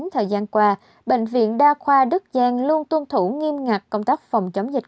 thời gian qua bệnh viện đa khoa đức giang luôn tuân thủ nghiêm ngặt công tác phòng chống dịch